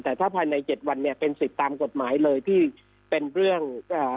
แต่ถ้าภายในเจ็ดวันเนี่ยเป็นสิทธิ์ตามกฎหมายเลยที่เป็นเรื่องเอ่อ